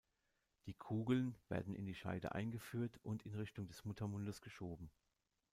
Die Kugeln werden in die Scheide eingeführt und in Richtung des Muttermundes geschoben.